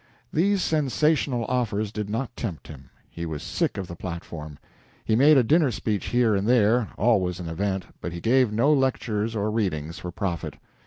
These sensational offers did not tempt him. He was sick of the platform. He made a dinner speech here and there always an event but he gave no lectures or readings for profit.